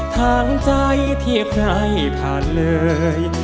ทางใจที่ใครผ่านเลย